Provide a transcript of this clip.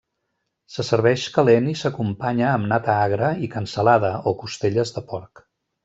Se serveix calent i s'acompanya amb nata agra i cansalada o costelles de porc.